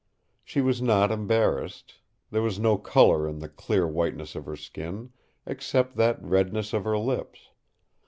She was not embarrassed. There was no color in the clear whiteness of her skin, except that redness of her lips.